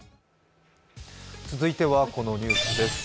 続いてはこのニュースです。